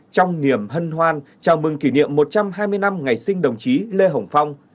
trong niềm hân hoan chào mừng kỷ niệm một trăm hai mươi năm ngày sinh đồng chí lê hồng phong